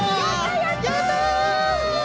やったね。